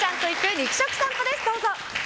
肉食さんぽです。